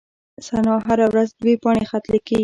ثنا هره ورځ دوې پاڼي خط ليکي.